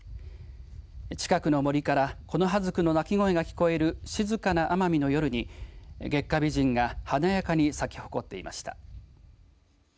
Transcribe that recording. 近くの森からコノハズクの鳴き声が聞こえる静かな奄美の夜に月下美人が華やかに咲き誇っていました。